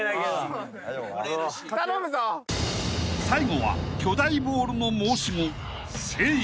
［最後は巨大ボールの申し子］